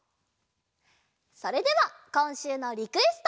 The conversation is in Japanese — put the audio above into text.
それではこんしゅうのリクエスト！